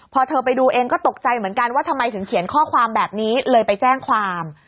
พอเธอไปดูเองก็ตกใจเหมือนกันว่าทำไมถึงเขียนข้อความแบบนี้เลยไปแจ้งความ